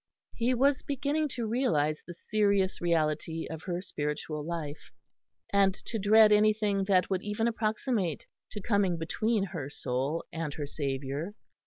He was beginning to realise the serious reality of her spiritual life, and to dread anything that would even approximate to coming between her soul and her Saviour.